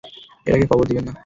এটাকে কবর দিবেন না?